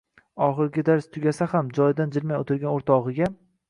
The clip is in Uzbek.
oxirgi dars tugasa ham joyidan jilmay o‘tirgan o‘rtog‘iga